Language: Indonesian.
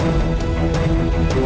oh dia dia dia